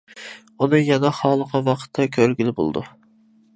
ئۇنى يەنە خالىغان ۋاقىتتا كۆرگىلى بولىدۇ.